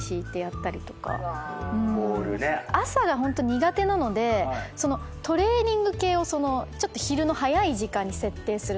朝がホント苦手なのでトレーニング系をちょっと昼の早い時間に設定するんです。